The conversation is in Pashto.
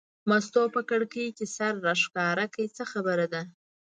مستو په کړکۍ کې سر راښکاره کړ: څه خبره ده.